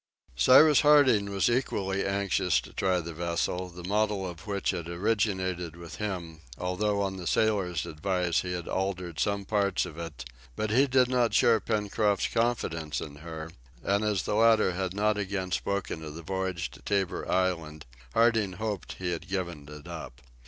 Cyrus Harding was equally anxious to try the vessel, the model of which had originated with him, although on the sailor's advice he had altered some parts of it, but he did not share Pencroft's confidence in her, and as the latter had not again spoken of the voyage to Tabor Island, Harding hoped he had given it up.